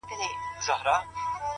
ورته ور چي وړې په لپو کي گورگورې!